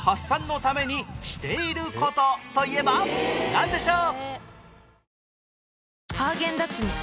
なんでしょう？